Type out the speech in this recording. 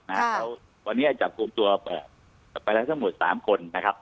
นะฮะครับวันนี้จับฟรุมตั๋วไปแล้วถ้างบน๓คนนะครับ